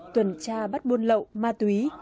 tuần tra bắt buôn lậu ma túy